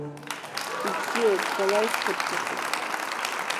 Ибзиоуп, бара ишыбҭаху…